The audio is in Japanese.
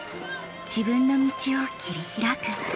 自分の道を切り開く。